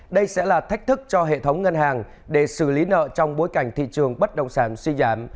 đây sẽ là thách thức cho hệ thống ngân hàng để xử lý nợ trong bối cảnh thị trường bất động sản suy giảm